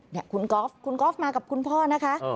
นี่คุณออกมากับคุณพ่อนะคะ